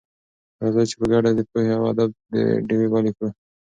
راځئ چې په ګډه د پوهې او ادب ډېوې بلې کړو.